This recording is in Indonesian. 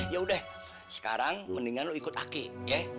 yaudah sekarang mendingan lo ikut aki ya